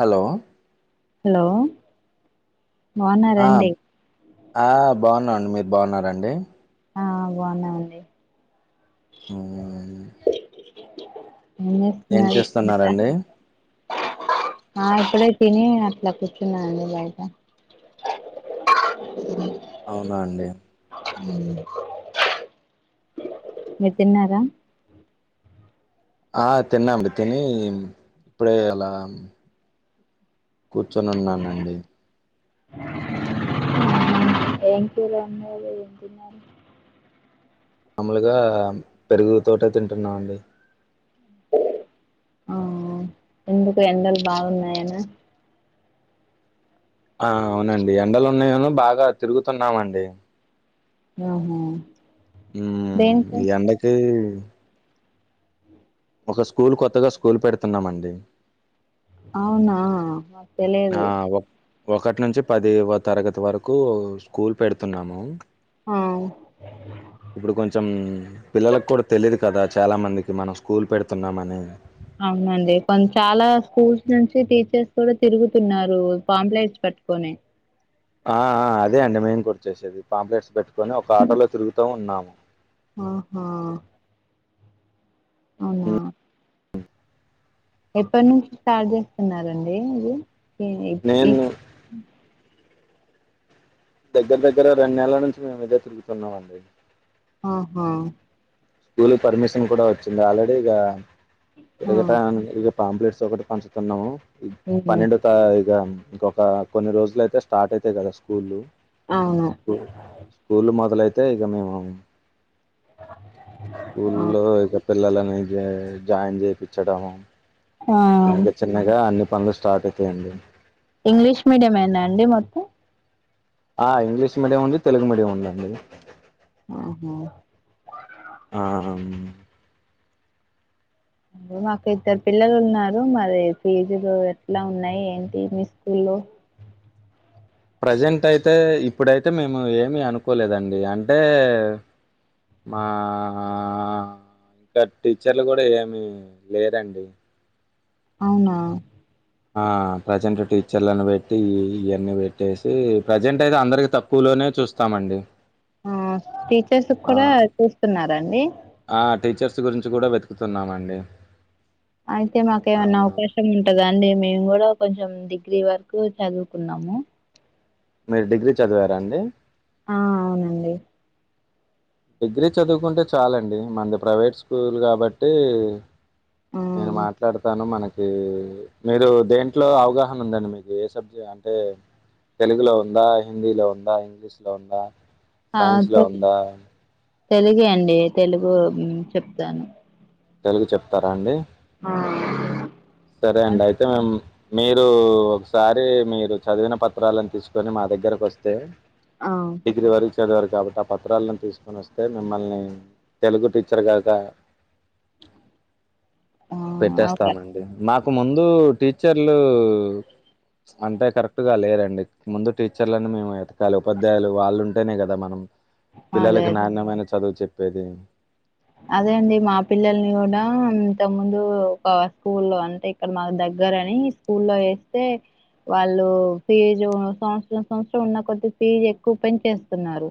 Hello hello ఆ బాగున్నారండి ఆ బాగున్నాండి మీరు బాగున్నారండి ఆ బాగున్నాము అండి హ్మ్. ఏం ఏం చేస్తున్నారు చేస్తున్నారండి [unintelligible] ఆ ఇప్పుడే తిని అట్లా కూర్చున్నానండి బయట అవునా అండి ఉమ్ మీరు తిన్నారా ఆ తిన్నా అండి తిని ఇప్పుడే అలా కూర్చొనిన్నానండి ఏం టీలా అన్నద ఎంటిన్నారు [unintelligible] మాముూలుగా పెరుగు తోటే తింటున్నాం అండి ఆ ఎందుకు ఎండలు బాగున్నాయనా ఆ అవునండి ఎండలు ఉన్నాయేనో బాగా తిరుగుతున్నామండి ఆహ ఉమ్ ఈ ఎండకి ఒక స్కూల్ కొత్తగా స్కూల్ పెడుతున్నామండి అవునా ఆ తెలియదు ఒక్ ఒకటి నుంచి పది వ తరగతి వరకు స్కూల్ పెడుతున్నాము ఆ ఇప్పుడు కొంచెం పిల్లలకు కూడా తెలిదు కదా చాలా మందికి మనం స్కూల్ పెడుతున్నామని అవునండి కొ చాలా స్కూల్స్ నుంచి టీచర్స్ కూడా తిరుగుతున్నారు పాంప్లేట్స్ పట్టుకొని ఆ ఆ అదే అండి మేం కూడా చేసేది పాంప్లెట్స్ పెట్టుకొని ఒక ఆటోలో తిరుగుతూ ఉన్నాము ఆహా అవునా ఎప్పటి నుంచి స్టార్ట్ చేస్తున్నారండి ఇది ఈ ఈ నేను దగ్గర దగ్గర రెండు నెల్ల నుంచి మేమిదే తిరుగుతున్నామండి ఆహా స్కూల్ కి పర్మిషన్ కూడా వచ్చింది ఆల్రెడీ ఇక ఆ తిరగటనికి పాంప్లెట్స్ ఒకటి పంచుతున్నాము ఉహు పన్నెండు ఇక ఇంకొక కొన్ని రోజులు అయితే స్టార్ట్ అయితాయి కదా స్కూల్లు అవును స్కూ స్కూల్ మొదలైతే ఇక మేము ఆ స్కూల్లో ఇక పిల్లలని జాయిన్ చేపించడము ఆ చిన్నగా చిన్నగా అన్ని పనులు స్టార్ట్ అవుతాయండి ఇంగ్లీష్ మీడియం ఏనా అండి మొత్తం ఆ ఇంగ్లీష్ మీడియం ఉంది తెలుగు మీడియం ఉంది అండి ఆహ ఆ మాకు ఇద్దరు పిల్లలు ఉన్నారు మరి ఫీజులు ఎట్లా ఉన్నాయి ఏంటి మీ స్కూల్ల్లో ప్రజెంట్ అయితే ఇప్పుడైతే మేము ఏమి అనుకోలేదండి అంటే మా ఇంకా టీచర్లు కూడా ఏమి లేదండి అవునా ఆ ప్రజెంట్ టీచర్లను పెట్టి ఇవన్నీ పెట్టేసి ప్రజెంట్ అయితే అందరికి తప్పు స్కూలోనే చూస్తామండి ఆ టీచర్స్ ఆ కూడా చూస్తున్నారండి ఆ టీచర్స్ గురించి కూడా వెతుకుతున్నామండి అయితే మాకు ఆ ఏమైనా అవకాశం ఉంటదా అండి మేము కూడా కొంచెం డిగ్రీ వరకు చదువుకున్నాము మీరు డిగ్రీ చదివారండి ఆ అవునండి డిగ్రీ చదువుకుంటే చాలండి మంది ప్రైవేట్ స్కూల్ కాబట్టి నేను మాట్లాడతాను మనకి మీరు దేంట్లో అవగాహన ఉందండి మీకు ఏ సబ్జెక్ట్ అంటే తెలుగులో ఉందా హిందీలో ఉందా ఇంగ్లీష్ లో ఉందా ఆ సైన్స్‌లో తెల్ ఉందా? తెలుగే అండి తెలుగు చెప్తాను తెలుగు చెప్తారా అండి ఆ సరే అండి అంటే అయితే మేము మీరు ఒకసారి మీరు చదివిన పత్రాలను తీసుకొని మా దగ్గరకు వస్తే ఆ డిగ్రీ వరకు చదివారు కాబట్టి ఆ పత్రాలను తీసుకొని వస్తే మిమ్మల్ని తెలుగు టీచర్ గాక ఓకే పెట్టేస్తామండి నాకు ముందు టీచర్లు అంటే కరెక్ట్గా లేరండి ముందు టీచర్లని మేము వెతకాలే ఉపాధ్యాయులు వాళ్ళు ఉంటేనే కదా మనం అదే పిల్లలకి అదే నాణ్యమైన చదువు చెప్పేది అదే అండి మా పిల్లల్ని కూడా ఇంత ముందు ఒక స్కూల్లో అంటే ఇక్కడ మాకు దగ్గర అని స్కూల్లో వేస్తే వాళ్ళు ఫీజు సంవత్సరం సంవత్సరం ఉన్నకొద్ది ఫీజు ఎక్కువ పెంచేస్తున్నారు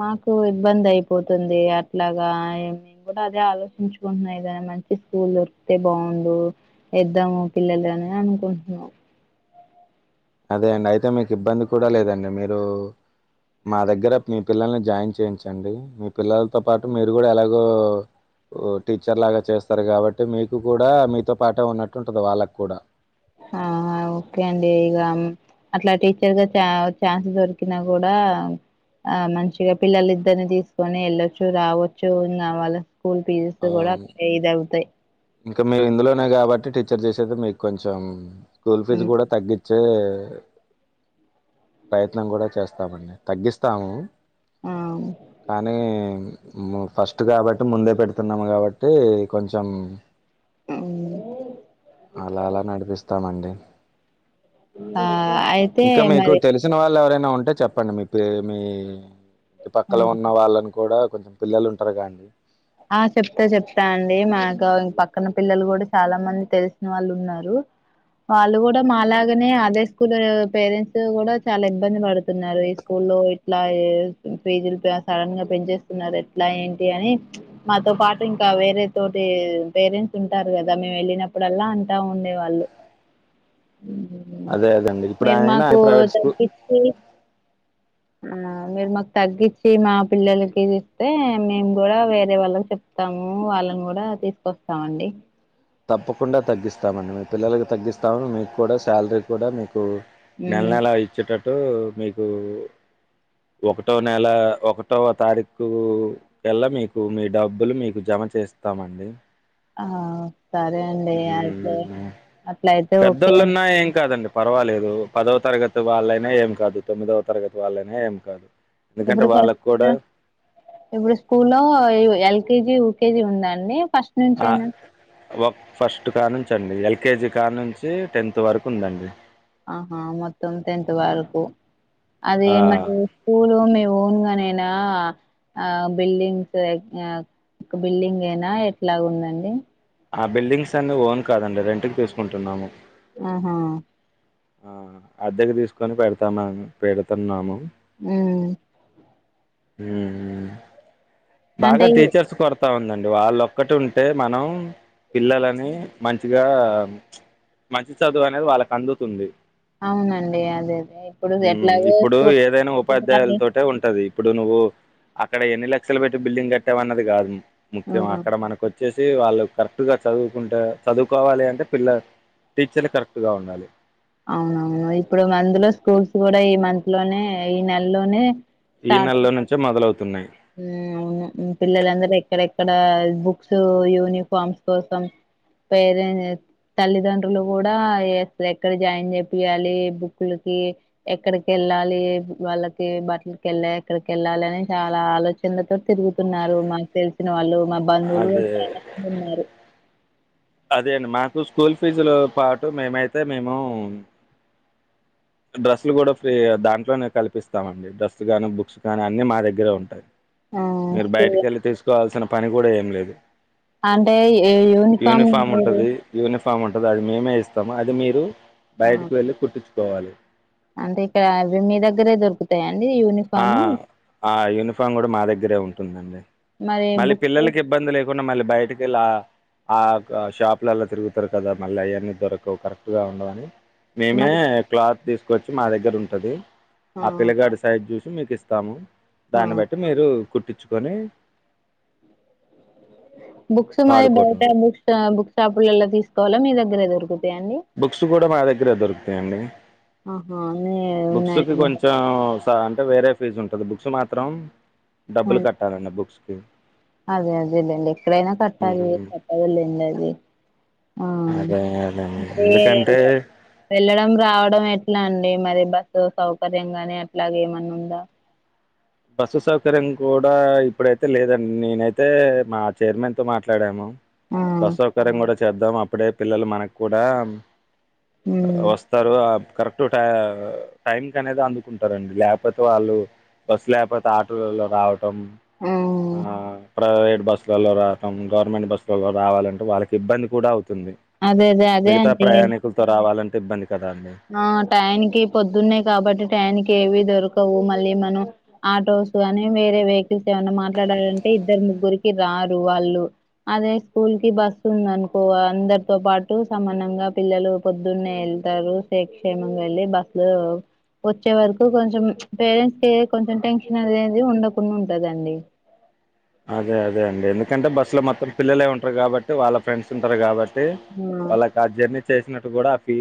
మాకు ఇబ్బంది అయిపోతుంది అట్లాగా మేము కూడా అదే ఆలోచించుకుంటున్నాము ఏదైన మంచి స్కూల్ దొరికుతే బాగుండు వేద్దాము పిల్లల్నీ అనే అనుకుంటున్నాము అదే అండి అయితే మీకు ఇబ్బంది కూడా లేదండి మీరు మా దగ్గర మీ పిల్లల్ని జాయిన్ చేయించండి మీ పిల్లలతో పాటు మీరు కూడా ఎలాగో టీచర్ లాగా చేస్తారు కాబట్టి మీకు కూడా మీతో పాటే ఉన్నట్టు ఉంటది వాళ్ళకు కూడా హా ఓకే అండి ఇగ అట్లా టీచర్గా చ ఛాన్సె దొరికినా కూడా ఆ మంచిగ పిల్లలు ఇద్దరిని తీసుకొని వెళ్ళొచ్చు రావచ్చు కావాల స్కూల్ ఫీజెస్ ఆ! కూడా ఇదవుతాయి ఇంకా మీరు ఇందులోనే కాబట్టి టీచర్ చేసేది మీకు కొంచెం స్కూల్ ఫీజు ఉమ్, కూడా తగ్గి చ్చే ప్రయత్నం కూడా చేస్తామండి తగ్గిస్తాము ఆ కానీ ఫస్ట్ కాబట్టి ముందే పెడుతు న్నాము కాబట్టి కొంచెం అలా అలా నడిపిస్తు తామండి ఆ అయితే ఇంక మీకు మరి తెలుసు ల్సిన వాళ్ళు ఎవరైనా ఉంటే చెప్పండి మీ పే మీ ఇ పక్కల ఆ ఉన్నవాళ్ళని కూడా కొంచెం పిల్లలుంటారు కా అండి ఆ చెప్తా చెప్తా అండి మాకు ఇం పక్క పక్కన పిల్లలు కూడా చాలా మంది తెలిసిన వాళ్ళు ఉన్నారు వాళ్ళు కూడా మా లాగానే అదే స్కూల్ పేరెంట్స్ కూడా చాలా ఇబ్బంది పడుతున్నారు ఈ స్కూలు అట్లా ఫీజులు సడన్గా పెంచేస్తున్నారు ఎట్లా ఏంటి అని మాతో పాటు ఇంకా వేరే తోటి పేరెంట్స్ ఉంటారు కదా మేము వెళ్ళినప్పుడల్లా అంటా ఉండే వాళ్ళు అదే అదండి ఇప్పుడు మీరు అయినా మాకు ప్రైవేట్ స్కూల్ తగ్గించి ఆ మీరు మాకు తగ్గచ్చి మా పిల్లలకి ఇస్తే మేము కూడా వేరే వాళ్ళకి చెప్త ప్తాము వాళ్ళను కూడా తీసుకొస్తామండి తప్పకుండా తగ్గిస్తామండి మీ పిల్లలలకు తగ్గిస్తాము మీకు కూడా శాలరీ కూడా మీకు నెల మ్మ్ నెల ఇచ్చేటట్టు మీకు ఒకటో నెల ఒకటో తారీఖు కల్ల మీకు మీ డబ్బులు మీకు జెమ చేస్తామండి ఆ సరే అండి అయితే అట్లయితే ఓకే అం ఆ ఏం కాదండి పర్వాలేదు పదవ తరగతి వాళ్ళైనా ఏం కాదు తొమ్మిదవ తరగతి వాళ్ళైనా ఏం కాదు ఎందుకంటే ఇప్పుడు వాళ్ళకు ఫస్ట్ కూడా ఇప్పుడు స్కూల్లో ఎల్కేజీ యుకేజీ ఉందాండి ఫస్ట్ ఆ నుంచేనా ఫస్ట్ కానుంచండి ఎల్కేజీ కానుంచి టెన్త్ వరకు ఉందండి ఆహా మొత్తం టెన్త్ వరకు అదే ఆ మరి స్కూల్ మీ ఓన్ గా నైనా ఆ బిల్డింగ్స్ ఒక బిల్డింగ్ ఎనా ఎట్లాగ ఉందండి ఆ బిల్డింగ్స్ అన్ని ఓన్ కాదండి రెంట్ కి తీసుకుంటున్నాము ఆహా ఆ అద్దెకు తీసుకొని పెడతామా పెడుతున్నాము ఉ ఉ ఉ బాగా అంటే టీచర్స్ కొరత వస్తా ఉందండి వాళ్ళ ఒక్కటి ఉంటే మనం పిల్లలని మంచిగా మంచి చదువు అనేది వాళ్ళకి అందుతుంది అవునండి అదే అదే ఇప్పుడు మ్మ్ ఎట్లాగ ఇప్పుడు స్కూల్స్ ఏదైనా అన్ని ఉపాధ్యాయులతోటే ఉంటది ఇప్పుడు నువ్వు అక్కడ ఎన్ని లక్షలు పెట్టి బిల్డింగ్ కట్టావ అన్నది కాదు ముఖ్యం అవును అక్కడ మనకుచ్చి వచ్చేసి వాళ్ళు కరెక్ట్గా చదువుకుంటే చదువుకోవాలి అంటే పిల్ల టీచర్లు కరెక్ట్గా ఉండాలి అవునవును ఇప్పుడు అందులో స్కూల్స్ కూడా ఈ మంత్ లోనే ఈ నెలలోనే ఈ స్టార్ట్ నెలలో అయితయి నుంచే మొదలవుతున్నాయి అవును పిల్లలందరు ఎక్కడెక్కడ బుక్స్ యూనిఫార్మ్స్ కోసం పేరెంట్స్ తల్లిదండ్రులు కూడా అసలు ఎక్కడ జాయిన్ చెపియాలి బుక్లకి ఎక్కడికి వెళ్ళాలి వాళ్ళకి బట్టలకి వెళ్ళాలి ఎక్కడికి వెళ్ళాలి అని చాల చాలా ఆలోచనలతో తిరుగుతున్నారు మాకు తెలిసిన వాళ్ళు మా బంధువులు అదే కూడా చాలా ఉన్నారు అదే అండి మాకు స్కూల్ ఫీజులతో పాటు మేమైతే మేము డ్రెస్లు కూడా ఫ్రీ దాంట్లోనే కల్పిస్తామండి డ్రెస్లు గానీ బుక్స్ కానీ అన్ని మా దగ్గరే ఉంటాయి ఆ మీరు స్కూల్ బయటికి వెళ్ళి తీసుకోవాల్సిన పని కూడా ఏం లేదు అంటే యూనిఫోమ్ యూనిఫామ్ మీరు ఉంటుంది యూనిఫామ్ ఉంటుంది అది మేమే ఇస్తాము అది మీరు ఆ బయటకు వెళ్ళి కుట్టించుకోవాలి అంటే ఇక్కడ ఇవి మీ దగ్గరే దొరుకుతాయిడి యూ ఆ ఆ యూనిఫామ్ కూడా మా దగ్గరే ఉంటుందండి మరి మళ్ళీ బుక్స్ పిల్లలకి ఇబ్బంది లేకు డా మళ్ళీ బయటకి వెళ్ళ ఆ షాప్లలా తిరుగుతారు కదా మళ్ళీ అవన్నీ దొరకవు కరెక్ట్ గా ఉండవని మేమే మరి క్లాత్ తీసుకొచ్చి మా దగ్గర ఉంటది ఆ పిల్ల గడు సైజుచూసి మీకు ఇస్తాము ఆ దాన్ని బట్టి మీరు కుట్టించుకొని బుక్స్ మరి వాడుకోవటం బయట బుక్ బుక్ షాపులలో తీసుకోవాలా మీ దగ్గరే దొరుకుతాయిండి బుక్స్ కూడా మా దగ్గరే దొరుకుతాయండి ఆహా అన్నీ బుక్స్కి ఉన్నాయండి కొంచెం అంటే వేరే ఫీజు ఉంటుంది బుక్స్ మాత్రం ఆ డబ్బులు కట్టాలండి బుక్స్కి అదే అదేలెండి ఎక్కడైనా కట్టాలి ఉహుహు. అదే లండది ఆ అదే అదే ఎందుకంటే ఏందో వెళ్లడం రావడం ఎట్లా అండి మరి బస్సు సౌకర్యం గాని అట్లాగ ఏమన్నా ఉందా బస్సు సౌకర్యం కూడా ఇప్పుడైతే లేదండి నేనైతే మా చైర్మన్ తో మాట్లాడాము ఆ బస్ సౌకర్యం కూడా చేద్దాం అప్పుడే పిల్లలు మనకు కూడా ఉమ్ వస్తారు ఆ కరెక్ ట టైం కి అనేది అందుకుంటారండి లేకపోతే వాళ్ళు బస్ లేకపోతే ఆటోలలో రావటం ఆ ఆ ప్రైవేట్ బస్సులలో రావటం గవర్నమెంట్ బస్సులలో రావాలంటే వాళ్ళకి ఇబ్బంది కూడా అవుతుంది అదే అదే అదే మిగతా అండి ప్రయాణికులతో రావాలంటే ఇబ్బంది కదా అండి ఆ ట్యాన్ కి పొద్దున్నాయి్ కాబట్టి ట్యాన్ కి ఏవి దొరకవు మళ్ళీ మనం ఆటోస్ అని వేరే వెహికల్స్ ఏమన్న మాట్లాడాలంటే ఇద్దరు ముగ్గురికి రారు వాళ్ళు అదే స్కూల్ కి బస్ ఉందనుకో అందరితో పాటు సమానంగా పిల్లలు పొద్దున్నే వెళ్తారు శక్షేమంగా వెళ్ళలి బస్లో వచ్చే వరకు కొంచెం పేరెంట్స్ కె కొంచెం టెన్షన్ అనేది ఉండకుండా ఉంటదండి అదే అదే అండి ఎందుకంటే బస్ లో మొత్తం పిల్లలే ఉంటారు కాబట్టి వాళ్ళ ఫ్రెండ్స్ ఉంటారు కాబట్టి అ ఆ వాళ్ళకి ఆ జర్నీ చేసినట్టు కూడా ఫీ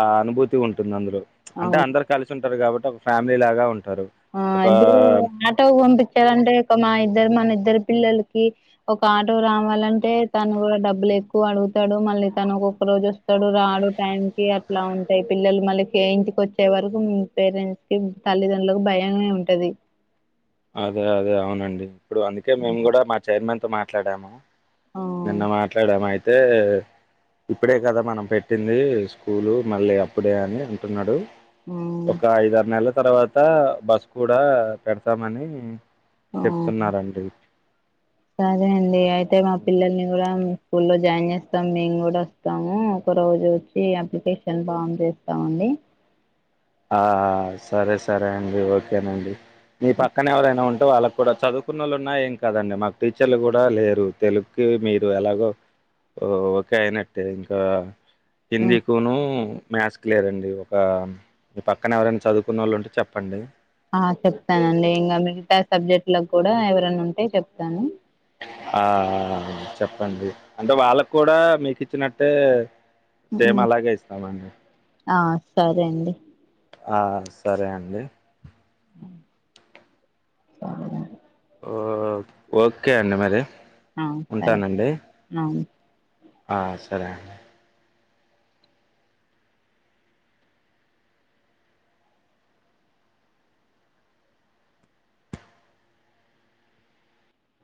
ఆ అనుభూతి ఉంటుంది అందులో అంటే అవును అందరు కలిసి ఉంటారు కాబట్టి ఒక ఫ్యామిలీ లాగా ఉంటారు ఆ ఒక ఇప్పుడు ఆటో పంపించాలంటే ఒక మా ఇద్దరు మన ఇద్దరు పిల్లలకి ఒక ఆటో రావాలంటే తను కూడ డబ్బులు ఎక్కువ అడుగుతాడు మళ్ళీ తను ఒొక్క రోజు వస్తడు రాడు టైం కి అట్లా ఉంటాయి పిల్లలు మళ్ళీ ఇంటికి వచ్చే వరకు పేరెంట్స్ కి తల్లిదండ్రులకు భయనే ఉంటది అదే అదే అవునండి ఇప్పుడు అందుకే మేము కూడ మా చైర్మన్ తో మాట్లాడాము ఆ నిన్న మాట్లాడాము అయితే ఇప్పుడే కదా మనం పెట్టింది స్కూలు మళ్ళీ అప్పుడే అని అంటున్నాడు ఆ ఒక ఐదు ఆరు నెలల తర్వాత బస్ కూడా పెడతామని ఆ చెప్తున్నారండి సరే అండి అయితే మా పిల్లల్ని కూడా స్కూల్లో జాయిన్ చేస్తాము మేము కూడ వస్తాము ఒక రోజు వచ్చి అప్లికేషన్ ఫామ్ చేస్తామండి ఆ సరే సరే అండి ఓకేనండి మీ పక్కన ఎవరైన ఉం వాళ్ళకు కూడ చదువుకున్నళ్ళు ఉన్నా ఏం కదండి మాకు టీచర్లు కూడా లేరు తెలుగుకి మీరు ఎలాగో ఓ ఓకే అయినట్టే ఇంకా ఆ హిందీకునుూ మ్యాథ్స్కి లేరండి ఒక మీ పక్కన ఎవరైన చదువుకున్న వాళ్ళు ఉంటే చెప్పండి ఆ చెప్తానండి ఇంకా మిగతా సబ్జెక్ట్ లో కూడ ఎవరైనా ఉంటే చెప్తాను ఆ చెప్పండి అంటే వాళ్ళకు కూడా మీకు ఇచ్చినట్టే ఉ సేమ్ అలాగే ఇస్తామండి ఆ సరే అండి ఆ సరే అండి బాలేదం ఓ ఓకే అండి మరి అ సరే ఆ అ సరే అండి